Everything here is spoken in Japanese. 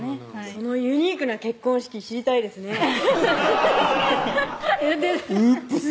そのユニークな結婚式知りたいですねウップス！